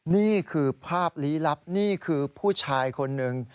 นี่คือภาพลี้ลับนี่คือผู้ชายคนหนึ่ง